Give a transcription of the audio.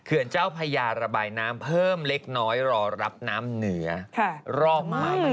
เจ้าพญาระบายน้ำเพิ่มเล็กน้อยรอรับน้ำเหนือรอบใหม่